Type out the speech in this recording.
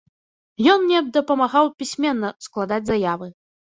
Ён мне дапамагаў пісьменна складаць заявы.